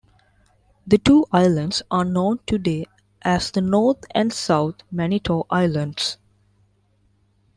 The two islands are known today as the North and South Manitou Islands.